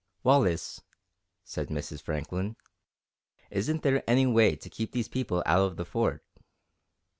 "Wallace," said Mrs. Franklin, "isn't there any way to keep these people out of the Fort?"